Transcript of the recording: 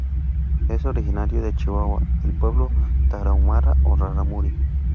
Es originario de Chihuahua, del pueblo tarahumara o rarámuri.